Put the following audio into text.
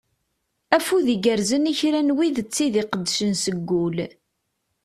Afud igerzen i kra n wid d tid iqeddcen seg ul.